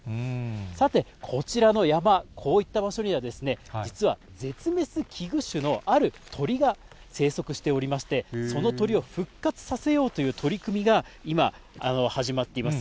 さて、こちらの山、こういった場所には、実は絶滅危惧種のある鳥が生息しておりまして、その鳥を復活させようという取り組みが今、始まっています。